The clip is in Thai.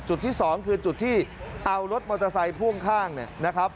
จุดที่สองคือจุดที่เอารถมอเตอร์ไซค์พ่วงข้างเนี่ยนะครับ